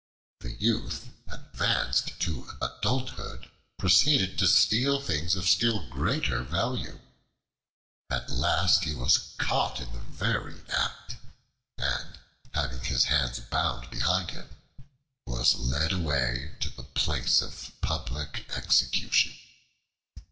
The Youth, advanced to adulthood, proceeded to steal things of still greater value. At last he was caught in the very act, and having his hands bound behind him, was led away to the place of public execution.